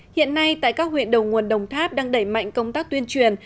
hiện nay tại các huyện đầu nguồn đồng tháp đang đẩy mạnh công tác tuyên truyền